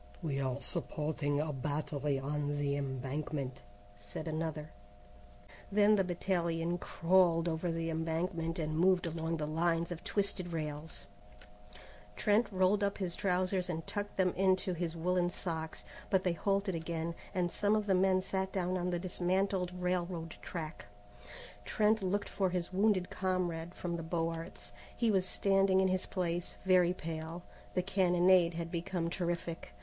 "We are supporting a battery on the embankment," said another. Then the battalion crawled over the embankment and moved along the lines of twisted rails. Trent rolled up his trousers and tucked them into his woollen socks: but they halted again, and some of the men sat down on the dismantled railroad track. Trent looked for his wounded comrade from the Beaux Arts. He was standing in his place, very pale. The cannonade had become terrific.